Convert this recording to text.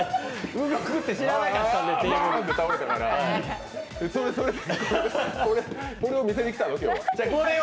動くって知らなかったんで、テーブルこれを見せに来たの、今日は？